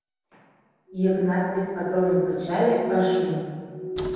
Йыгнат вес патроным кычале — ыш му.